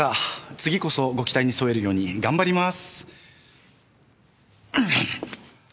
次こそご期待に添えるように頑張ります！